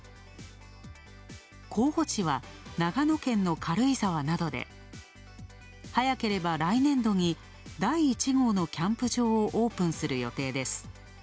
候補地は長野県の軽井沢などで、早ければ来年度に第１号のキャンプ場をオープンする予定です。